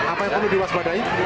apa yang perlu diluas badai